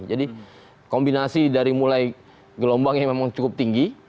jadi kombinasi dari mulai gelombang yang memang cukup tinggi